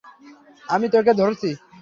আমি তোকে ধরছি।